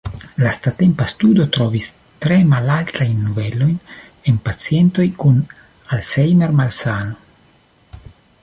Lastatempa studo trovis tre malaltajn nivelojn en pacientoj kun Alzheimer-malsano.